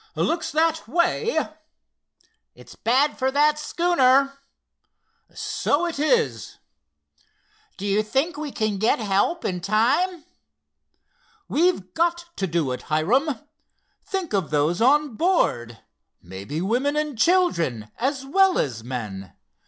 "Looks that way." "It's bad for that schooner." "So it is." "Do you think we can get help in time?" "We've got to do it, Hiram. Think of those on board—maybe women and children as well as men!"